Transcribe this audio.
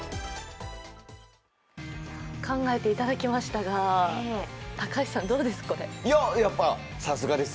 考えていただきましたが、高橋さん、これどうです？